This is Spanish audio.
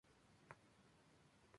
Eso fue a sus diecisiete años.